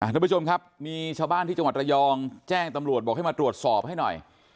ทุกผู้ชมครับมีชาวบ้านที่จังหวัดระยองแจ้งตำรวจบอกให้มาตรวจสอบให้หน่อย